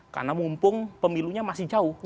karena mumpung pemilunya masih jauh